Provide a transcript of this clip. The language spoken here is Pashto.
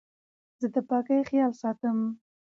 زه د پاکۍ خیال ساتم.